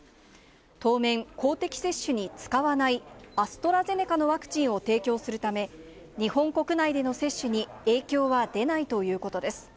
当面、公的接種に使わない、アストラゼネカのワクチンを提供するため、日本国内での接種に影響は出ないということです。